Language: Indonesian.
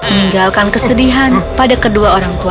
meninggalkan kesedihan pada kedua orang tua